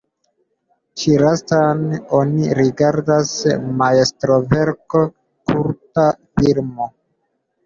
Ĉi lastan oni rigardas majstroverko, kulta filmo.